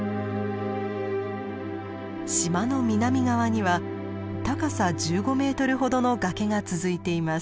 島の南側には高さ１５メートルほどの崖が続いています。